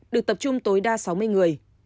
được tập trung tối đa sáu mươi người